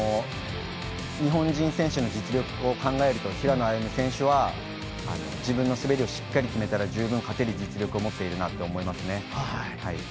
日本人選手の実力を考えると平野歩夢選手は自分の滑りをしっかり決めれば十分勝てる実力を持っているなと思いますね。